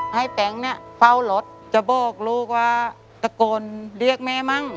แป๊งเนี่ยเฝ้ารถจะบอกลูกว่าตะโกนเรียกแม่มั่ง